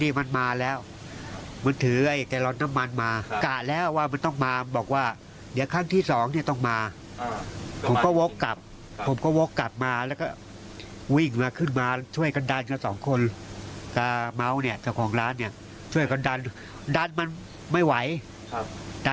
นี่ค่ะแม่ของนางสุรีรัฐคนเจ็บคุณแม่จันรัมจันระอายุ๘๐